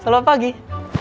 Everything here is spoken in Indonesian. dan yang selanjutnya